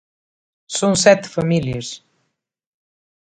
Son sete familias.